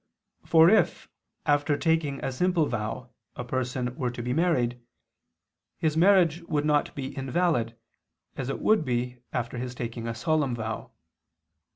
For if after taking a simple vow a person were to be married, his marriage would not be invalid, as it would be after his taking a solemn vow.